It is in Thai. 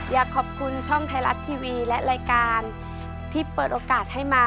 อยากขอบคุณช่องไทยรัฐทีวีและรายการที่เปิดโอกาสให้มา